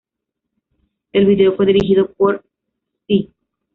El video fue dirigido por SÍ!